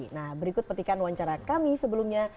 nah berikut petikan wawancara kami sebelumnya